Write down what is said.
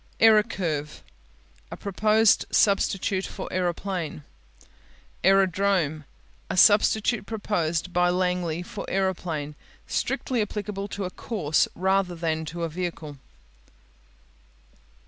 Aerocurve A proposed substitute for aeroplane. Aerodrome A substitute proposed by Langley for aeroplane. Strictly applicable to a course rather than to a vehicle.